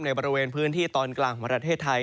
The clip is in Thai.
บริเวณพื้นที่ตอนกลางของประเทศไทย